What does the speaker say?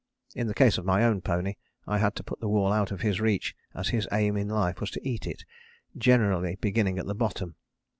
In the case of my own pony, I had to put the wall out of his reach as his aim in life was to eat it, generally beginning at the bottom.